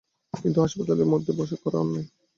কিন্তু হাসপাতালের মধ্যে বসে করা অন্যায়।